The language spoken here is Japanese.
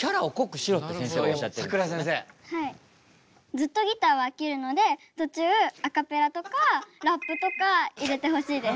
ずっとギターは飽きるので途中アカペラとかラップとか入れてほしいです。